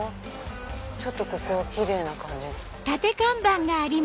ちょっとここはキレイな感じ。